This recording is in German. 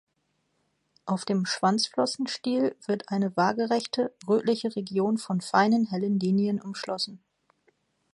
Auf dem Schwanzflossenstiel wird eine waagerechte, rötliche Region von feinen, hellen Linien umschlossen.